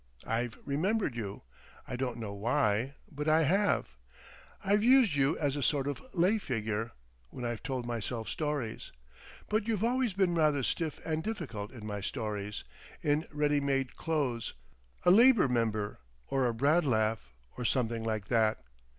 I've remembered you. I don't know why, but I have. I've used you as a sort of lay figure—when I've told myself stories. But you've always been rather stiff and difficult in my stories—in ready made clothes—a Labour Member or a Bradlaugh, or something like that.